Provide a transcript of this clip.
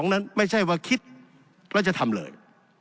นั้นไม่ใช่ว่าคิดแล้วจะทำเลย